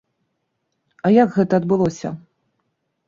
А як гэта адбылося?